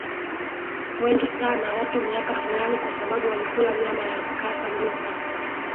wengi sana watu miaka Fulani kwa sababu walikula nyama ya kasa Ndio sasa